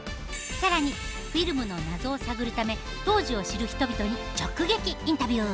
更にフィルムの謎を探るため当時を知る人々に直撃インタビュー。